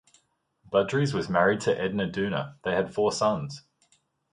Budrys was married to Edna Duna; they had four sons.